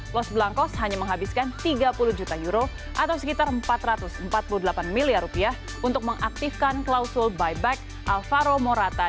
los blancos hanya menghabiskan tiga puluh juta euro atau sekitar empat ratus empat puluh delapan miliar rupiah untuk mengaktifkan klausul buyback alvaro morata